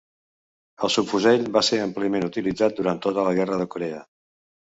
El subfusell va ser àmpliament utilitzat durant tota la Guerra de Corea.